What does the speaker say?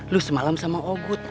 lu semalam sama ogut